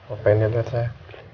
apa ini ada sah